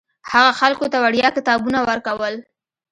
هغه خلکو ته وړیا کتابونه ورکول.